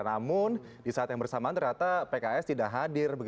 namun di saat yang bersamaan ternyata pks tidak hadir